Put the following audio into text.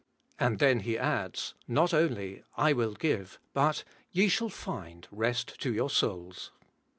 And then He adds, not only, *I will give,' but *ye shall /^6? rest to your souls.'